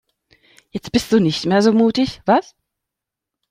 Jetzt bist du nicht mehr so mutig, was?